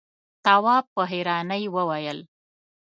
تواب په حيرانی وويل: